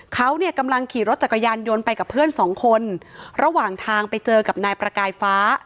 เขาเนี่ยกำลังขี่รถจักรยานยนต์ไปกับเพื่อนสองคนระหว่างทางไปเจอกับนายประกายฟ้า